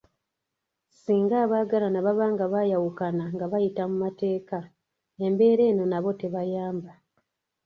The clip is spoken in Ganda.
Singa abaagalana baba nga baayawukana nga bayita mu mateeka, embeera eno nabo tebayamba.